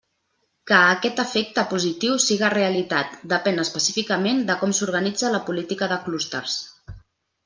Que aquest efecte positiu siga realitat, depén específicament de com s'organitza la política de clústers.